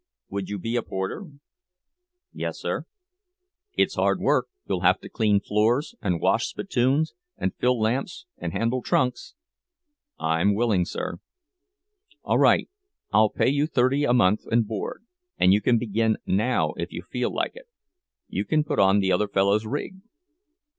Would you be a porter?" "Yes, sir." "It's hard work. You'll have to clean floors and wash spittoons and fill lamps and handle trunks—" "I'm willing, sir." "All right. I'll pay you thirty a month and board, and you can begin now, if you feel like it. You can put on the other fellow's rig."